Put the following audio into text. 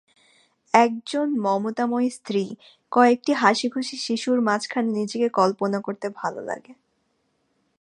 এক জন মমতাময়ী স্ত্রী, কয়েকটি হাসিখুশি শিশুর মাঝখানে নিজেকে কল্পনা করতে ভালো লাগে!